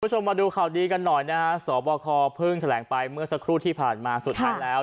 คุณผู้ชมมาดูข่าวดีกันหน่อยนะฮะสบคเพิ่งแถลงไปเมื่อสักครู่ที่ผ่านมาสุดท้ายแล้ว